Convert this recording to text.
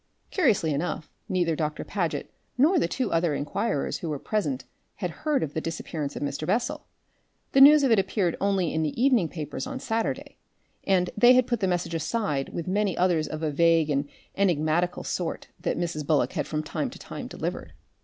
Curiously enough, neither Doctor Paget nor the two other inquirers who were present had heard of the disappearance of Mr. Bessel the news of it appeared only in the evening papers of Saturday and they had put the message aside with many others of a vague and enigmatical sort that Mrs. Bullock has from time to time delivered.